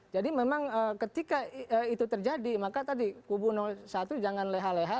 jadi memang ketika itu terjadi maka tadi kubu satu jangan leha leha